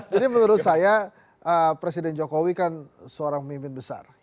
jadi menurut saya presiden jokowi kan seorang pemimpin besar